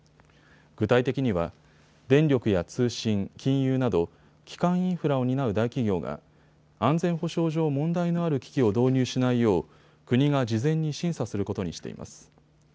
具体的には電力や通信、金融など基幹インフラを担う大企業が安全保障上問題のある機器を導入しないよう国が事前に審査することにしています。